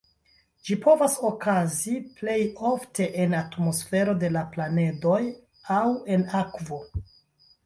Ĝi povas okazi plej ofte en atmosfero de la planedoj aŭ en akvo.